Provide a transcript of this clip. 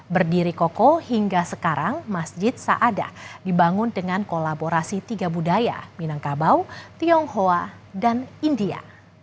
berdiri koko hingga sekarang masjid saada dibangun dengan kolaborasi tiga budaya minangkabau tionghoa dan india